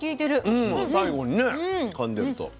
うん最後にねかんでると。